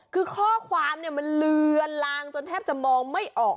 คือข้อความมันเลือนลางจนแทบจะมองไม่ออก